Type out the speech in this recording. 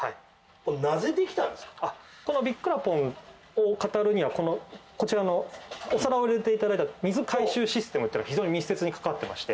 このビッくらポン！を語るにはこのこちらのお皿を入れていただいた水回収システムっていうのが非常に密接に関わってまして。